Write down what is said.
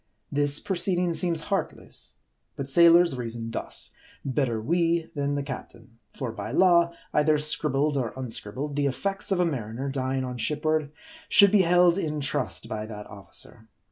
This proceeding seems heartless. But sailors reason thus : Better we, than the captain. For by law, either scribbled or unscribbled, the effects of a mariner, dying on shipboard, should be held in trust by that officer.